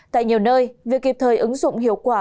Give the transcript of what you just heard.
tại nhiều nơi việc kịp thời ứng dụng hiệu quả